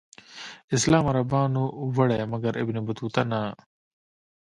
اسلام عربانو وړی مګر ابن بطوطه نه.